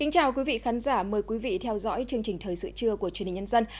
chào mừng quý vị đến với bộ phim thời sự trưa của chương trình nhân dân